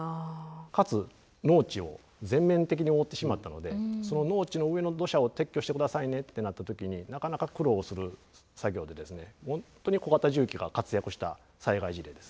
かつ農地を全面的に覆ってしまったのでその農地の上の土砂を撤去して下さいねってなった時になかなか苦労する作業で本当に小型重機が活躍した災害事例です。